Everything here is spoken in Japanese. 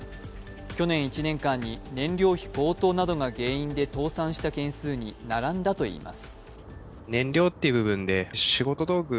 去年１年間に燃料費高騰などが原因で倒産した件数に並んだといいます。